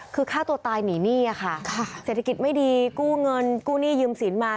คือฆ่าตัวตายหนีหนี้อะค่ะเศรษฐกิจไม่ดีกู้เงินกู้หนี้ยืมสินมา